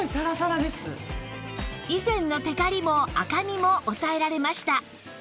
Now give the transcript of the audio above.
以前のテカリも赤みも抑えられました